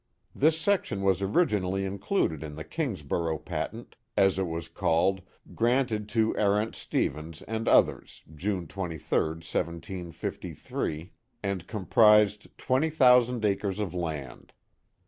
This section was originally included in the Kingsborough Patent, as it was called, granted to Arent Stevens and others^ June 23, 1753, and comprised twenty thousand acres of land.